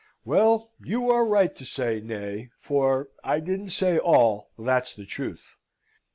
"Well, you are right to say nay, for I didn't say all, that's the truth.